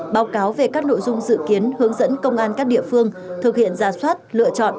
báo cáo về các nội dung dự kiến hướng dẫn công an các địa phương thực hiện ra soát lựa chọn